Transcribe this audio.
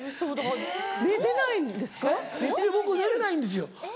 僕寝れないんですよ。